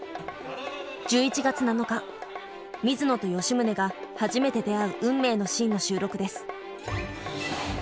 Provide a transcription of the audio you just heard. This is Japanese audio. １１月７日水野と吉宗が初めて出会う運命のシーンの収録です。